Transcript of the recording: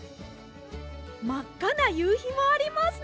まっかなゆうひもありますね！